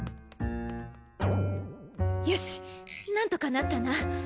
よしなんとかなったな。